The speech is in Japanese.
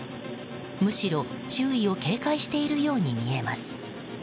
むしろ周囲を警戒しているように見えます。